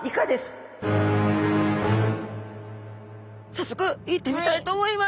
早速いってみたいと思います。